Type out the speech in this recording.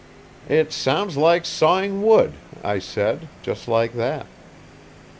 "It sounds like sawing wood," I said, just like that.